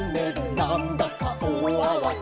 「なんだかおおあわて」